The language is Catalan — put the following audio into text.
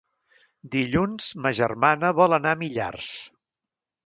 Dilluns ma germana vol anar a Millars.